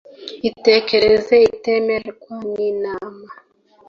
itekerereze itemerwa n Imana